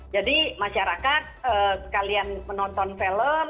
jadi masyarakat sekalian menonton film